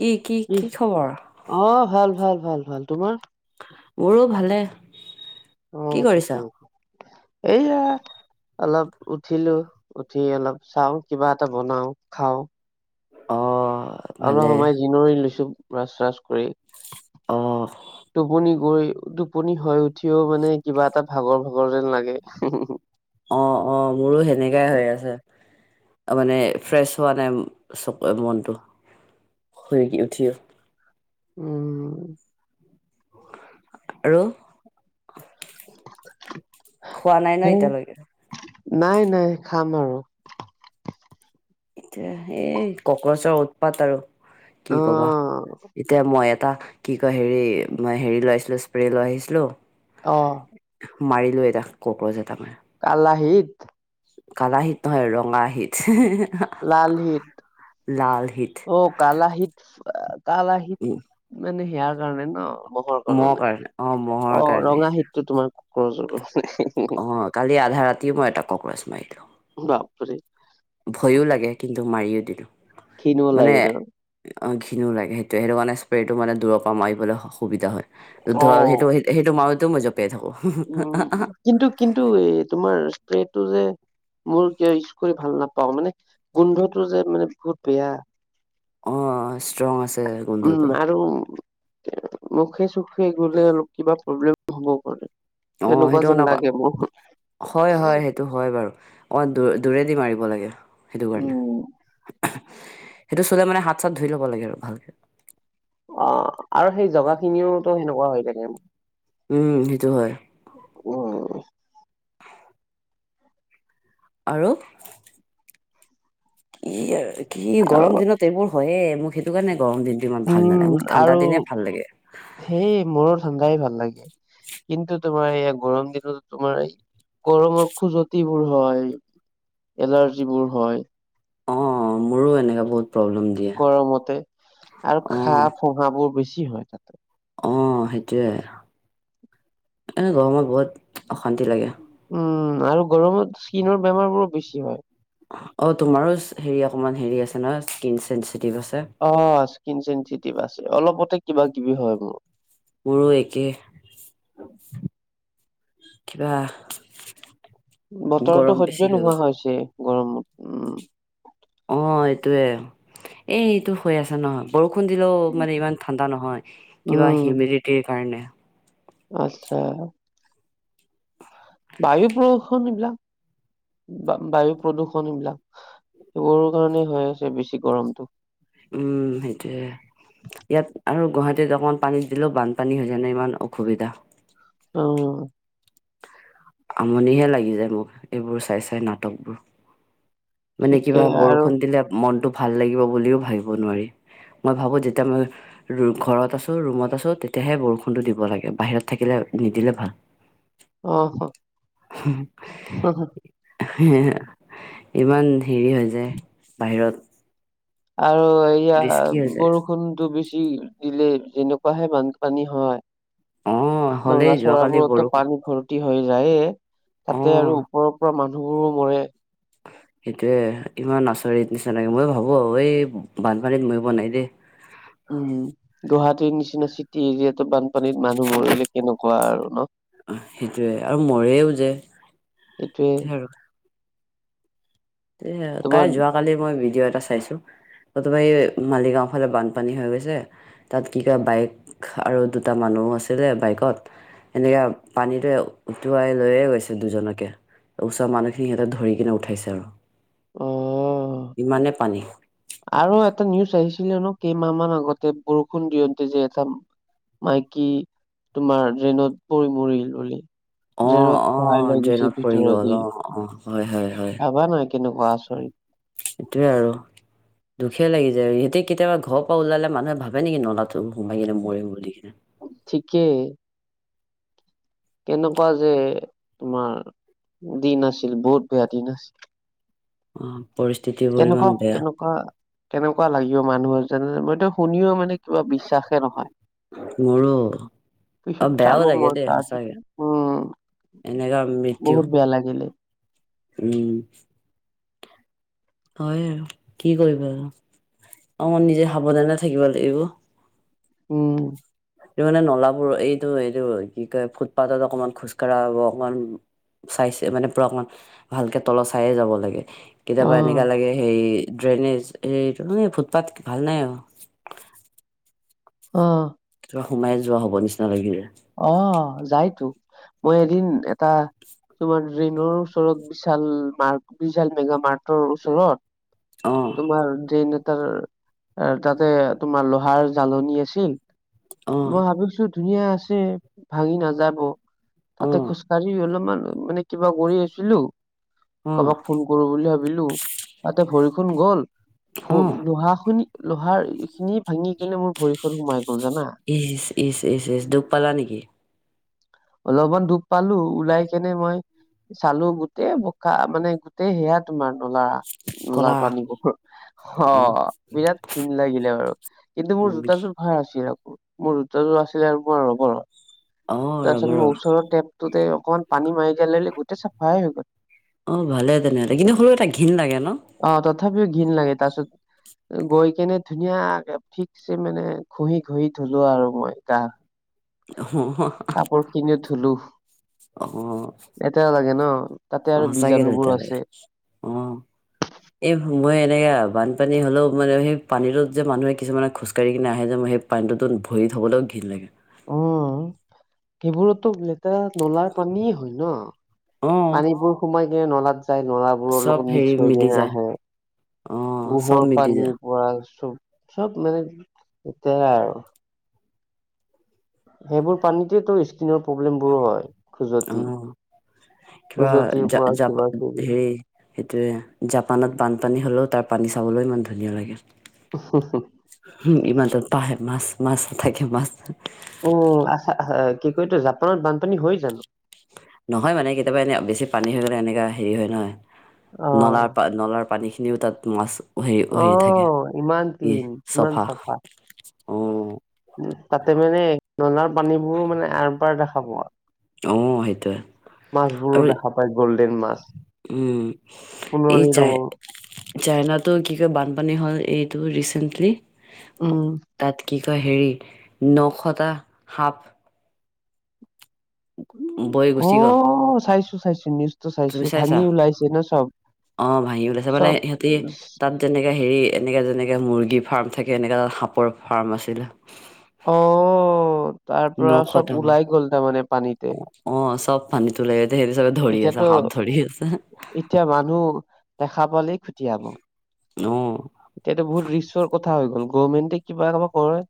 কি কি কি খবৰ? অঁ ভাল ভাল ভাল ভাল তোমাৰ? মোৰো ভালে, অ কি কৰিছা? ঠিকেই এইয়া। অলপ উঠিলো, উঠি অলপ চাওঁ কিবা এটা বনাও খাওঁ। অঁহ। অলপ সময় জিনৰি লৈছো ব্ৰাছ ছাচ কৰি, অ' টোপনি গৈ টোপনি হৈ উঠিও মানে কিবা এটা ভাগৰ ভাগৰ যেন লাগে। অঁ অঁ, মোৰো সেনেকাই হৈ আছে। মানে ফ্ৰেছ হোৱা নাই চকু মনটো শুই উঠিও। উম। আৰু, খোৱা নাই ন সেই এতিয়ালৈকে? নাই নাই খাম আৰু। এতিয়া এই কক্ৰচৰ উৎ পাত আৰু কি অ কবা, এতিয়া মই এটা কি কয় হেৰি মই হেৰি লৈ আছিলোঁ, স্প্ৰে লৈ আহিছিলোঁ। অঁহ। মাৰিলো এটা কক্ৰজ এটা মাই। কালাহিত, কালাহীত নহয় ৰঙা হিত। লালহিত অ কলাহত কালাহিত উম মানে সেয়াৰ কাৰণে ন মহৰ কাৰণে, অ' মহৰ অঁ কাৰণে ৰঙাহিত। টো তোমাৰ কক্ৰজৰ। অ', কালি আধা ৰাতিও মই এটা কক্ৰৰচ মাৰিলো। [unintelligible] ভয়ো লাগে কিন্তু মাৰিও দিলো, ক্ষীণো মানে- লাগে ন? অ ঘিনণো লাগে সেইটোৱে, সেইটো কাৰণে স্প্ৰেটো মানে দূৰৰ পৰা মাৰিবলৈ সুবিধা হয়, অ', সেইটো সেইটো মাৰোতে ও মই জপিয়াই থাকোঁ। উম' কিন্তু কিন্তু এই তোমাৰ স্প্ৰেটো যে, মোৰ কিয় ইউজ কৰি ভাল নাপাও, মানে গোন্ধটো যে মানে বহুত বেয়া। অ ষ্ট্ৰং আছে গোন্ধটো। আৰু উম মুখে চখে গ'লে অলপ কিবা প্ৰব্লেম হ'ব পাৰে। অ', তেনেকুৱা সেইটো মানে যেন অক- লাগে মোৰ। হয় হয় সেইটো হয় বাৰু, অ দ দূৰেদি মাৰিব লাগে সেইটো কাৰণে। উম, সেইটো চুলে মানে হাত চাত ধুই ল'ব লাগে আৰু ভালকে। অহ আৰু সেই জগা খিনিও তো সেনেকুৱা হৈ থাকে। উম সেইটো হয়। উম আৰু, [unintelligible] এ আৰু গৰম দিনত এইবোৰ হয়য়ে, মোক সেইটো কাৰণে গৰম দিনটো ইমান ভাল উম, নালাগে, মোক ঠাণ্ডা আৰু দিনে ভাল লাগে। সেই মোৰো ঠাণ্ডাই ভাল লাগে, কিন্তু তোমাৰ এই গৰম দিনত তোমাৰ, গৰমৰ খুজতি বোৰ হয়, এলাৰ্জিবোৰ হয়। অ মোৰো এনেকা বহুত, প্ৰব্লেম দিয়ে গৰমতে আৰু ঘাঁ অ', ফূহা বোৰ বেছি হয় তাতে। অঁ সেইটোৱে এনে গৰমত বহুত অশান্তি লাগে। উম' আৰু গৰমত স্কিনৰ বেমাৰ বোৰো বেছি হয়। অ তোমাৰো হেৰি অকনমান হেৰি আছে ন স্কিন চেনঞ্চিটিভ আছে। অ স্কিন চেনঞ্চিটিভ আছে অলপতে কিবা কিবি হয় মোৰ। মোৰো একে, কিবা- বতৰটো গৰম সহ্য বেছি যে হৈ নোহোৱা গ'ল হৈছে গৰমত। উম অ এইটোৱে এই এইটো হৈ আছে নহয় বৰষুণ দিলেও মানে ইমান ঠাণ্ডা নহয় কিবা উম হিউমিডিটিৰ কাৰণে আচ্ছা বায়ু প্ৰদূষণ এইবিলাক বা বায়ু প্ৰদূষণ এইবিলাক সেইবোৰৰ কাৰণে হৈ আছে বেছি গৰমটো উম সেইটোয়ে ইয়াত আৰু গুৱাহাটীত অকমান পানীত দিলেও বানপানী হৈ জান ইমান অসুবিধা অ আমনিহে লাগি যায় মোক এইবোৰ চাই চাই নাটকবোৰ মানে ঠিকে কিবা আৰু বৰষুণ দিলে মনটো ভাল লাগিব বুলিও ভাবিব নোৱাৰি মই ভাবোঁ তেতিয়া মই ঘৰত আছো ৰুমত আছো তেতিয়াহে বৰষুণটো দিব লাগে বাহিৰত থাকিলে নিদিলে ভাল অ হ হে ইমান হেৰি হৈ যায় বাহিৰত আৰু ৰিস্কি হৈ এয়া যায় বৰষুণতো বেছি উম, দিলে, যেনেকুৱাহে বানপানী হয়। অ হ'লেই যোৱাকালি নলা-চলাবোৰতটো বৰষুণ পানী ভৰ- তি হৈ যায়য়ে, অ তাতে আৰু ওপৰ ওপৰ মানুহবোৰো মৰে। সেইটোৱে ইমান আচৰিত নিচিনা লাগে। মই ভাবোঁ আৰু, এই বানপানীত মৰিব নাই দেই। উম, গুৱাহাটীৰ নিচিনা চিটি এৰিয়াতো বানপানীত মানুহ মৰিলে, কেনেকুৱা আৰু ন। অহ, সেইটোযৱে। আৰু মৰেও যে। এইটোৱে [unintelligible] তে আৰু, তোমাৰ কাই যোৱাকালি মই ভিডিঅ' এটা চাইছোঁ। প্ৰথমে মালিগাঁও ফালে বানপানী হৈ গৈছে। তাত কি কয়, বাইক আৰু দুটা মানুহ আছিলে বাইকত। সেনেকা পানীটো উটুৱাই লৈয়ে গৈছে দুজনকে। ওচৰ মানু্হখিনি সিহঁতক ধৰি কিনে উঠাইছে আৰু। অহ। ইমানে পানী। আৰু এটা নিউজ আহিছিলে ন', কেইমাহমান আগতে বৰষুণ দিওঁতে যে এটা - মাইকী, তোমাৰ ড্ৰেইনত পৰি মৰিল বুলি। অ অ ড্ৰেনত খহাই লৈ গৈছে ড্ৰেইনত পৰি ভিতৰ গ'ল দি। অ অ হয় হয় ভাবা না কেনেকুৱা আচ - চৰিত। সেইটোৱে আৰু। দুখে লাগি যায়। সিহঁতে কেতিয়াবা ঘৰৰ পৰা ওলালে, মানুহে ভাবে নেকি নলাত - টো সোমাই কিনে মৰিম বুলি কিনে। ঠিকে। কেনেকুৱা যে, তোমাৰ দিন আছিল বহুত বেয়া দিন আছিল। অ পৰিস্থিতিবোৰ ইমান কেনেকুৱা বেয়া কেনেকুৱা - কেনেকুৱা লাগিব মানুহৰ, যেনে, মইটো শুনিও মানে - কিবা বিশ্বাসে নহয়। মোৰো অ পিছত বেয়াও চালোঁ লাগে মই দেই তাতো। সঁচাকে উম, এনেকা মৃত্যু বহুত বেয়া লাগিলে। উম। হয় আৰু। কি কৰিবা আৰু। অ', নিজে সাৱধানে থাকিব লাগিব। উম। এই মানে, নলাবোৰ, এইটো এইটো কি কয়, ফুটপাথত অকণমান খোজকাঢ়া হ'ব। অকণমান- চাইছে মানে, পুৰা অকণমান ভালকে তলত চাইয়ে যাব লাগে। কেতিয়াবা এনেকা অ', লাগে সেই, ড্ৰেইনেজ সেই, মানে ফুটপাথ ভাল নাই আৰু। অহ। কিবা সোমাই যোৱা হ'ব নিচিনা লাগি যায়। অহ, যায়তো। মই এদিন এটা - তোমাৰ ড্ৰেইনৰ ওচৰত, বিশাল মাৰ্ক, বিশাল মেগা মাৰ্টৰ ওচৰত। অ'। তোমাৰ ড্ৰেইন এটাৰ, আ', তাতে তোমাৰ লোহাৰ জালনী আছিল। অ মই ভাবিছোঁ ধুনীয়াচে ভাঙি নাযাব। অ তাতে খোজকাঢ়ি অলপমান মানে, কিবা কৰি আছিলোঁ, অ কা'বাক ফোন - কৰোঁ বুলি ভাবিলোঁ। তাতে ভৰিখন গ'ল। অ ভ-লোহা খনি - লোহাৰ ইখিনি ভাঙি কিনে মোৰ ভৰিখন সোমাই গ'ল জানা। ইচ, ইচ ইচ ইচ। দুপ পালা নেকি? অলপমান দুপ পালোঁ। ওলাই কেনে মই চালোঁ, গোটেই বোকা মানে, - তে সেয়া তোমাৰ নলা, কলা নলাৰ পানী বহুত। অ হ', বিৰাট ঘিন লাগিলে বাৰু। কিন্তু মোৰ উম জোতাজোৰ - ভাল আছিল আকৌ, মোৰ জোতাজুৰ আছিলে পুৰা মোৰ লগৰৰ। অ ৰ'ব তাৰপাছত মই ৰ'ব ওচৰৰ টেপটোতে, অকণমান পানী মাৰি দিয়াৰ লগে লগে গোটেই চাফাই হৈ গ'ল। অ, ভালে তেনেহ'লে, কিন্তু হ'লেও এটা ঘিণ লাগে ন? অ, তথাপিও ঘিন লাগে। তাৰপিছত গৈ কেনে ধুনীয়াকে, ঠিকছে মানে ঘঁহি ঘহি ধুলো আৰু মই গা। [unintelligible] কাপোৰ খিনিও ধুলো, অ অ লেতেৰা লাগে ন। তাতে অ আৰু সঁচাকে বীজাণুবোৰ তেতিয়াহ'লে আছে। অ এই মই এনেকৈ বানপানী হ'লেও, মানে সেই পানীটোত যে মানুহে কিছুমানে খোজকাঢ়ি কেনে আহে যে মই সেই পানীটোত ভৰি থ'বলৈও ঘিণ লাগে। অ, সেইবোৰতো বেলেগ এয়া নলাৰ পানী হয় ন, অ পানীবোৰ সোমাই কিনে নলাত যায়, নলা বোৰৰ চব লগত হেৰি মিক্স হৈ মিলি কেনে যায় আহে, অ চব গোহৰ মিলি পান। যায় পৰা চ'ব, চ'ব মানে লেতেৰা আৰু। সেইবোৰ পানীতেতো, স্কিনৰ প্ৰব্লেমবোৰো হয়, অ খজতি। কিবা [inaudible] হেৰি সেইটোৱে, জাপানত বানপানী হ'লেও তাৰ পানী চাবলৈও ইমান ধুনীয়া লাগে। [unintelligible] ইমানটো পাহে, মাছ মাছ থাকে মাছ। অ, আচ্ছা, আচ্ছা, কি কয় এইতো জাপানত বানপানী হয় জানো? নহয় মানে, কেতিয়াবা এনে বেছি পানী হৈ গ'লে এনেকা হেৰি হয় নহয় অ নলাৰ-নলাৰ পানী খিনিও তাত, মাছ হৈ হৈ থাকে অ', ইমান কি, ক্লিন, ইমান চাফা। উম, তাতে মানে নলাৰ পানীবোৰো মানে আৰ-পাৰ দেখা পোৱা। অ, সেইটোৱে। মাছবোৰো আৰু দেখা পায় গ'ল্ডেন মাছ, উম, এই সোণালী চাই ৰঙৰ। চাইনাটো কি কয়, বানপানী হ'ল এইটো ৰিচেন্টলি। উম, তাত কি কয় হেৰি, নশটা সাপ। বৈ অ, গুচি গ'ল চাইছো চাইছো, নি চাইছো, চাইছো তুমি চাইছা ভাঙি ওলাইছে ন, চ'ব চ'ব? তেনেকে হেৰি এনেকে যেনেকে মুৰ্গী ফাৰ্ম থাকে, এনেকা তাত সাপৰ ফাৰ্ম আছিল। অ, তাৰপৰা নশটা চ'ব ওলাই গ'ল তাৰমানে অ পানীতে। অ, চ'ব পানীত লাগে সেই চবে ধৰি আছে এতিয়াতো সাপ ধৰি আছে। এতিয়া মানুহ, দেখা পালেই খুতিয়াব। অ এতিয়াতো বহুত ৰিক্সৰ কথা হৈ গ'ল, গভৰ্মেণ্টে কিবা কৰে।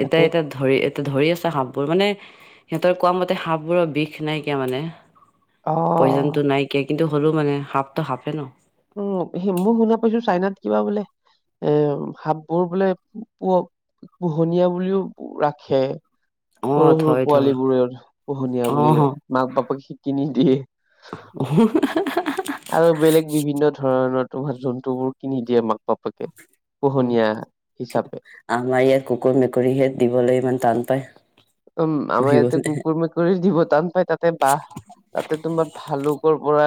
তাতে। এতিয়া এতিয়া ধৰি, এতিয়া ধৰি আছে সাপবোৰ, মানে সিহঁতৰ কোৱা মতে সাপবোৰৰ বিষ নাইকিয়া মানে। অ'। পইজনটো নাইকিয়া, কিন্তু হ'লেও মানে সাপটো সাপে ন, উম, সেই মই শুনা পাইছো চাইনাত কিবা বোলে এ, সাপবোৰ বোলে প, পোহনীয়া বুলিও ৰাখে। অ সৰু সৰু থয় থয় পোৱালীবোৰেও পোহনীয়া অ বুলি মাক বাপাক শিকি নিদিয়ে। [unintelligible] আৰু বেলেগ বিভিন্ন ধৰণৰ তোমাৰ জন্তুবোৰ কিনি দিয়ে মাক বাপেকে। পোহনীয়া হিচাপে। আমাৰ ইয়াত কুকুৰ মেকুৰীহেত দিবলৈ ইমান টান পায়। উম আমাৰ ইয়াতে পুহিবলে কুকুৰ মেকুৰীৰ দিব টান পায় তাতে বাহ তাতে তোমাৰ ভালুকৰ পৰা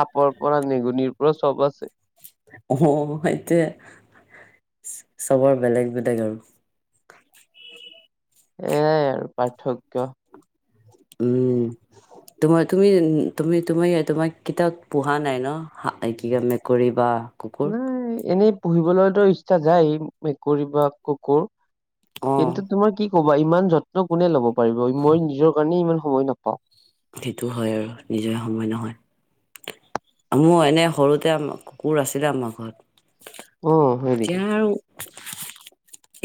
সাপৰ পৰা নিগনিৰ পৰা চব আছে। অ সেইটোয়ে চবৰ বেলেগ বেলেগ আৰু। এয়াই আৰু পাৰ্থক্য। উম তোমাৰ তুমি তুমি তুমি তোমাৰ কেতিয়াও পুহা নাই ন এই কি কয় মেকুৰী বা কুকুৰ উম, নাই এনেই পুহিবলৈতো ইচ্ছা যায় মেকুৰী বা কুকুৰ। অ কিন্তু তোমাৰ কি কবা ইমান যত্ন কোনে লব পাৰিব মই নিজৰ কাৰণে ইমান সময় নাপাওঁ। সেইটো হয় আৰু নিজৰে সময় নহয়। মোৰ এনে সৰুতে কুকুৰ আছিলে আমাৰ ঘৰত। অ হয় নেকি? এতিয়া আৰু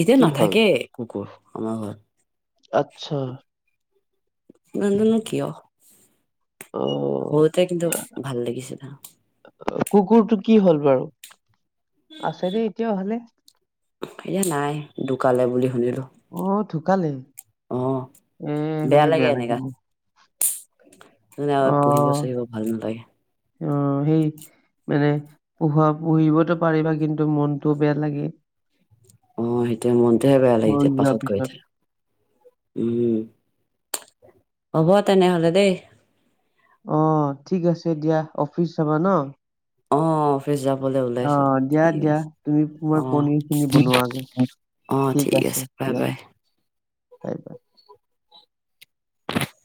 এতিয়া কি হ'ল? নাথাকে কুকুৰ আমাৰ ঘৰত। আচ্ছা নাজানো কিয়। অ', বহুতে কিন্তু ভাল লাগিছিল। কুকুৰটো কি হ'ল বাৰু আছে নে এতিয়াও ভালে। এ নাই ঢুকালে বুলি শুনিলো। অ ঢুকালে। অ উম, শুনি বেয়া লাগিল। সেইকাৰণে আ পুহিব অ', চুহিব ভাল নালাগে। অ সেই মানে পোহা পুহিবতো পাৰিবা কিন্তু মনতো বেয়া লাগে। অ সেইটোয়ে মনটোহে বেয়া লাগিছে মৰি যোৱাৰ পাছত গৈ পিছত। থৈ। উম হ'ব তেনেহলে দেই। অ ঠিক আছে দিয়া অফিচ যাবা ন। অ অফিচ যাবলৈ ওলাইছো অ', দিয়া ঠিক দিয়া আছে তুমি তোমাৰ অ পনিৰখিনি ঠিক বনোৱাগে অ ঠিকে আছে বাই বাই। সেইটোৱে